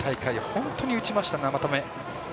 本当に打ちました、生田目。